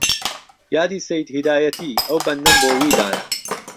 یادی سەید هیدایەتی ئەو بەندەم بۆ وی دانا